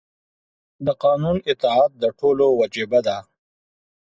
د قانون اطاعت د ټولو وجیبه ده.